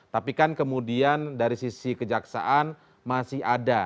tapi kan kemudian dari sisi kejaksaan masih ada